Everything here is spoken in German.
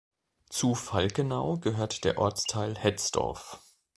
Zu Falkenau gehört der Ortsteil Hetzdorf.